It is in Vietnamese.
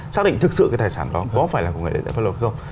xác định thực sự cái tài sản đó có phải là của người đại diện pháp luật không